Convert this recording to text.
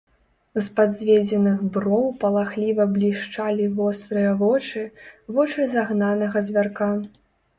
З-пад зведзеных броў палахліва блішчалі вострыя вочы, вочы загнанага звярка.